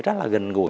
rất là gần gũi